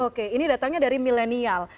oke ini datangnya dari milenial